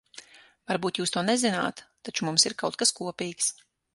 Varbūt jūs to nezināt, taču mums ir kaut kas kopīgs.